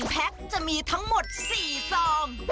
แพ็คจะมีทั้งหมด๔ซอง